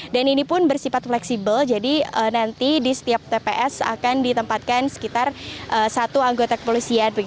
dan ini pun bersifat fleksibel jadi nanti di setiap tps akan ditempatkan sekitar satu anggota kepolisian